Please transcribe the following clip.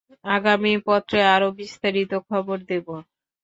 আগামী পত্রে আরও বিস্তারিত খবর দেব।